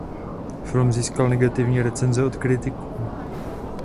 Film získal negativní recenze od kritiků.